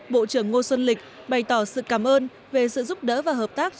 bộ trưởng ngô xuân lịch bày tỏ sự cảm ơn về sự giúp đỡ và hợp tác